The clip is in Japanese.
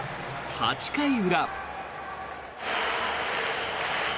８回裏。